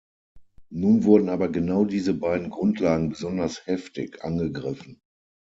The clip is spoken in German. Nun wurden aber genau diese beiden Grundlagen besonders heftig angegriffen.